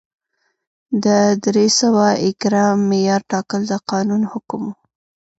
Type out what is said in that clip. د درې سوه ایکره معیار ټاکل د قانون حکم و.